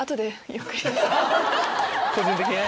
個人的にね。